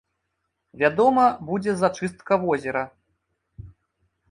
Вядома, будзе зачыстка возера.